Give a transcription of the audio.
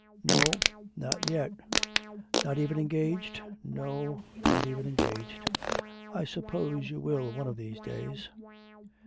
'No, not yet.' 'Not even engaged?' 'No, not even engaged.' 'I suppose you will one of these days.'